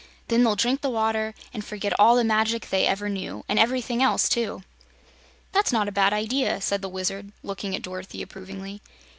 Then they'll drink the water and forget all the magic they ever knew and everything else, too." "That's not a bad idea," said the Wizard, looking at Dorothy approvingly.